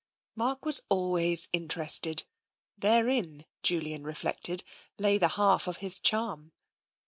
Mark was always interested. Therein, Julian reflected, lay the half of his charm.